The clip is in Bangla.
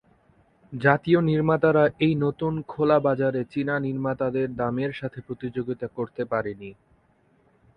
জাতীয় নির্মাতারা এই নতুন খোলা বাজারে চীনা নির্মাতাদের দামের সাথে প্রতিযোগিতা করতে পারেনি।